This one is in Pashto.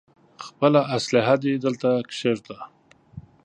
خپله اسلاحه دې دلته کېږده.